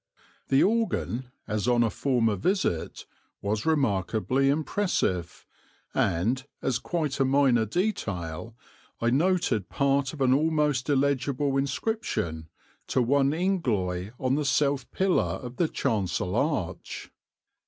The organ, as on a former visit, was remarkably impressive, and, as quite a minor detail, I noted part of an almost illegible inscription to one Ingloit on the south pillar of the chancel arch.